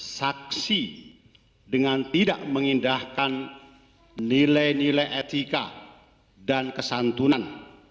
saksi dengan tidak mengindahkan nilai nilai etika dan kesantunan